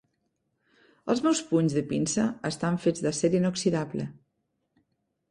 Els meus punys de pinça estan fets d'acer inoxidable.